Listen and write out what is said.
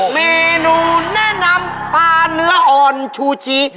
เมนูแนะนำปลาเนื้ออ่อนชูชี